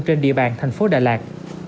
trên địa bàn tp đà lạt